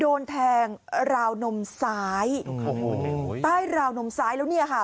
โดนแทงราวนมซ้ายใต้ราวนมซ้ายแล้วเนี่ยค่ะ